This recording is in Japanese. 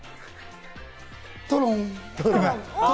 トロン。